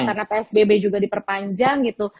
karena psbb juga diperpanjang gitu